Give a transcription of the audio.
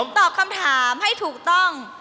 ตอบคำถามให้ถูกต้อง